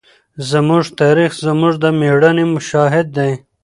زموږ تاریخ زموږ د مېړانې شاهد دی.